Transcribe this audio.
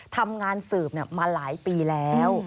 ทำงานสืบมาหลายปีแล้ว